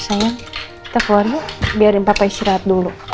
yaudah sayang kita keluarin biarin papa istirahat dulu